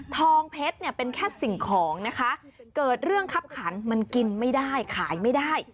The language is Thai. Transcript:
ทองเพชรเนี่ยเป็นแค่สิ่งของนะคะเกิดเรื่องคับขันมันกินไม่ได้ขายไม่ได้